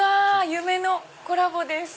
夢のコラボです。